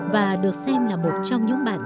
và được xem là một trong những bản